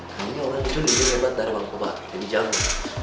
kayaknya orang itu lebih hebat dari bang koba lebih jago